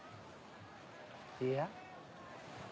いや。